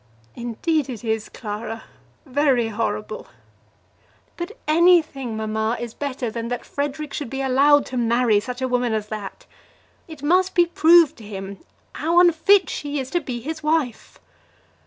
"Indeed it is, Clara, very horrible." "But anything, mamma, is better than that Frederic should be allowed to marry such a woman as that. It must be proved to him how unfit she is to be his wife."